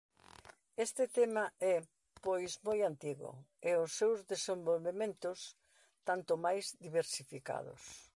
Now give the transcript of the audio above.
Este tema é pois moi antigo e os seus desenvolvementos tanto máis diversificados.